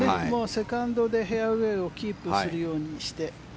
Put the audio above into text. セカンドでフェアウェーをキープするようにして。